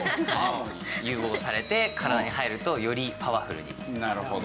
融合されて体に入るとよりパワフルになるのかなと。